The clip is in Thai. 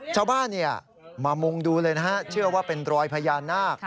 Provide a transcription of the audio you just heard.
ชาวบ้านมามุงดูเลยนะฮะเชื่อว่าเป็นรอยพญานาค